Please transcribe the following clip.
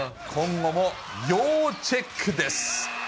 今後も要チェックです。